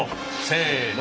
せの！